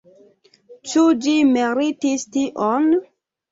Ĉu ĝi meritis tion?